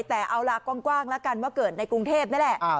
แต่เอาล่ะกว้างแล้วกันว่าเกิดในกรุงเทพนี่แหละ